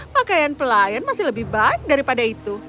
pakaian pelayan masih lebih baik daripada itu